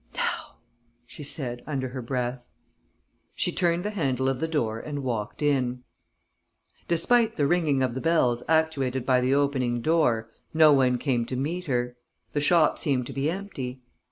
"Now!" she said, under her breath. She turned the handle of the door and walked in. Despite the ringing of the bells actuated by the opening door, no one came to meet her. The shop seemed to be empty.